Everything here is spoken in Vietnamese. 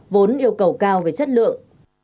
vốn yêu cầu cao về chất lượng